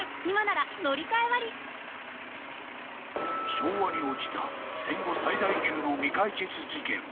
［昭和に起きた戦後最大級の未解決事件